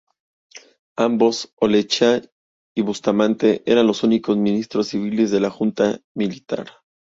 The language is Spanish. Ambos, Olaechea y Bustamante, eran los únicos ministros civiles de la Junta Militar.